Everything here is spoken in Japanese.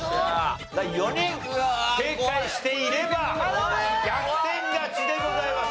４人正解していれば逆転勝ちでございます。